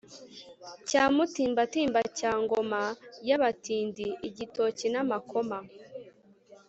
Cyamutimbatimba cya ngoma y'abatindi-Igitoki n'amakoma.